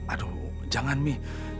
aduh jangan mi